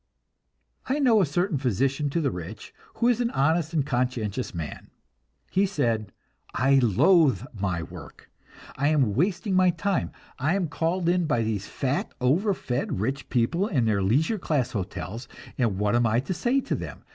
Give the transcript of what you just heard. I know a certain physician to the rich, who is an honest and conscientious man. He said, "I loath my work. I am wasting my time. I am called in by these fat, over fed rich people in their leisure class hotels, and what am I to say to them?